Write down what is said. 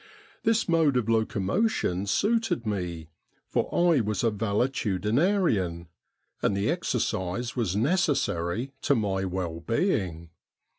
This mode of locomotion suited me, for I was a valetudinarian, and the exercise was necessary to my well being.